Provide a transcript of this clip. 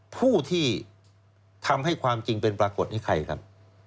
ผู้ที่ทำให้ความจริงเป็นปรากฏให้ใครครับ